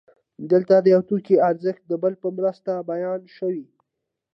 دلته د یو توکي ارزښت د بل په مرسته بیان شوی